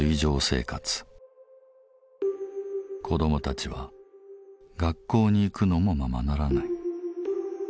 子どもたちは学校に行くのもままならない。